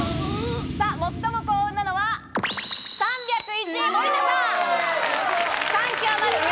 最も幸運なのは、３０１位、森田さん。